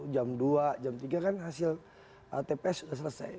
jam dua jam tiga kan hasil tps sudah selesai